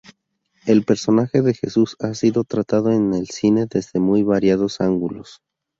El personaje de Jesús ha sido tratado en el cine desde muy variados ángulos.